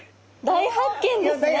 大発見ですね！